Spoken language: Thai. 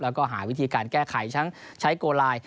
แล้วก็หาวิธีการแก้ไขทั้งใช้โกลาย